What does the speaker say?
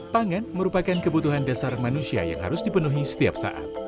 pangan merupakan kebutuhan dasar manusia yang harus dipenuhi setiap saat